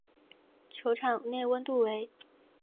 球场内温度为。